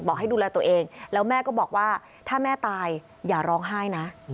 ให้ดูแลตัวเองแล้วแม่ก็บอกว่าถ้าแม่ตายอย่าร้องไห้นะ